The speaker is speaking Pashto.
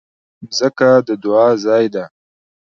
مځکه زموږ د دعا ځای ده.